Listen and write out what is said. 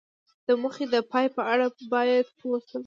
د موخې د پای په اړه باید پوه شو.